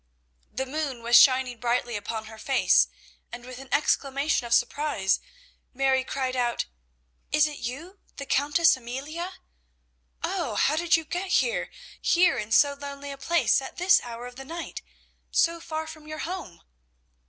The moon was shining brightly upon her face, and with an exclamation of surprise, Mary cried out, "Is it you, the Countess Amelia? Oh, how did you get here here in so lonely a place at this hour of the night, so far from your home?"